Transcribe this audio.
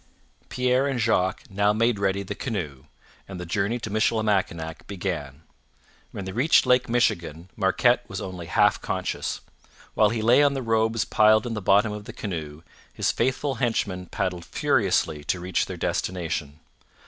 Pierre and Jacques now made ready the canoe, and the journey to Michilimackinac began. When they reached Lake Michigan Marquette was only half conscious. While he lay on the robes piled in the bottom of the canoe, his faithful henchmen paddled furiously to reach their destination.